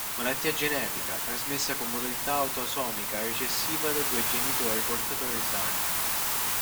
Malattia genetica, trasmessa con modalità autosomica recessiva da due genitori portatori sani.